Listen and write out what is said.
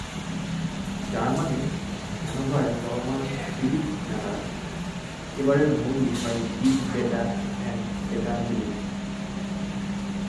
জার্মানির হ্যানোভারে চলমান সিবিট মেলার এবারের মূল বিষয় বিগ ডেটা অ্যান্ড ডেটাবিলিটি।